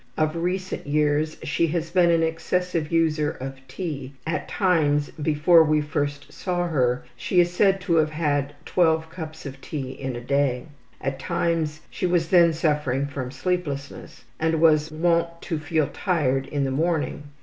Of recent years she has been an excessive user of tea at times before we first saw her she is said to have had 12 cups of tea in a day. At times she was then suffering from sleeplessness, and was wont to feel tired in the morning.